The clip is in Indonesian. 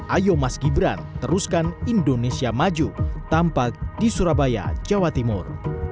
ayo mas gibran teruskan indonesia maju tampak di surabaya jawa timur